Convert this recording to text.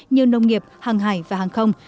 như nông nghiệp hàng hải và hàng không